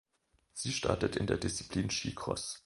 Sie startet in der Disziplin Skicross.